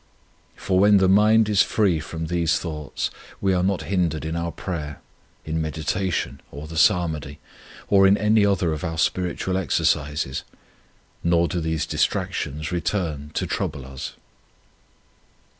For when the mind is free from these thoughts, we are not hindered in our prayer, in meditation, or the psalmody, or in any other of our spiritual exercises, nor do these distractions return to trouble us.